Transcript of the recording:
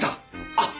あっ。